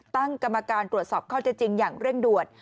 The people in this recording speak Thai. ตั้งกรรมการตรวจสอบข้อเท็จจริงอย่างเร่งด่วน